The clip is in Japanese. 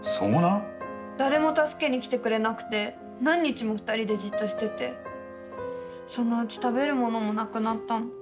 誰も助けに来てくれなくて何日も２人でじっとしててそのうち食べるものもなくなったの。